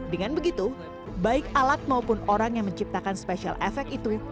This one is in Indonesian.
dengan begitu baik alat maupun orang yang menciptakan special effect itu